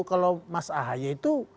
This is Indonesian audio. kalau mas ahai itu